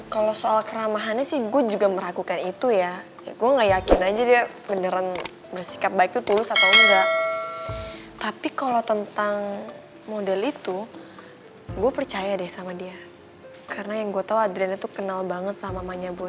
kalau soal keramahannya sih gue juga meragukan itu ya gue gak yakin aja dia beneran bersikap baik itu tulus atau enggak tapi kalau tentang model itu gue percaya deh sama dia karena yang gue tahu adrian itu kenal banget sama mamanya bu